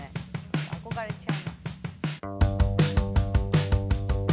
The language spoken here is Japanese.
憧れちゃう！